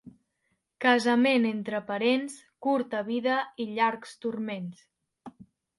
Casament entre parents, curta vida i llargs turments.